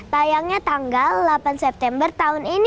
sayangnya tanggal delapan september tahun ini